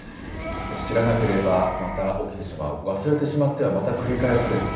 知らなければまた起きてしまう、忘れてしまってはまた繰り返される。